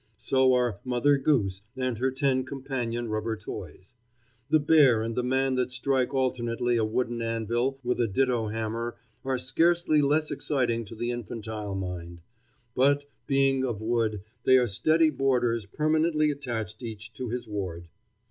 So are Mother Goose and her ten companion rubber toys. The bear and the man that strike alternately a wooden anvil with a ditto hammer are scarcely less exciting to the infantile mind; but, being of wood, they are steady boarders permanently attached each to his ward.